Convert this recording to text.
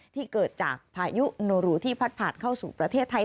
ที่เกิดจากพายุโนรูที่พัดผ่านเข้าสู่ประเทศไทย